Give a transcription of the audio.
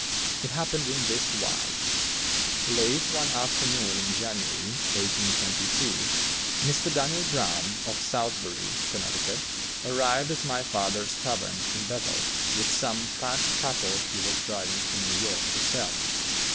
It happened in this wise: Late one afternoon in January, 1822, Mr. Daniel Brown, of Southbury, Connecticut, arrived at my father's tavern, in Bethel, with some fat cattle he was driving to New York to sell.